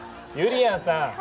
ゆりやんさん！